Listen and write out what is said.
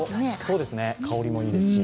香りもいいですし。